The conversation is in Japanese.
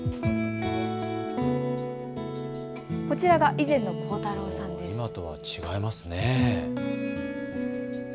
こちらが以前の宏太郎さんです。